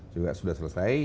juga sudah selesai